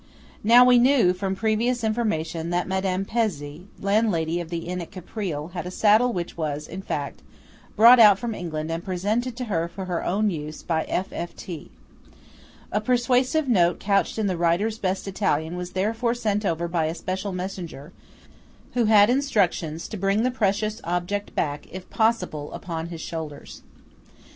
Now we knew from previous information that Madame Pezzé, landlady of the inn at Caprile, had a saddle which was, in fact, brought out from England and presented to her for her own use by F.F.T. A persuasive note couched in the writer's best Italian was therefore sent over by a special messenger, who had instructions to bring the precious object back, if possible, upon his shoulders.